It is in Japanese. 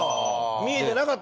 見えてなかった？